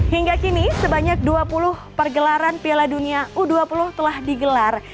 hingga kini sebanyak dua puluh pergelaran piala dunia u dua puluh telah digelar